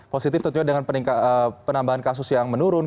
positif tentunya dengan penambahan kasus yang menurun